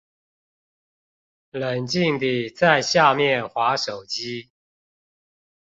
冷靜地在下面滑手機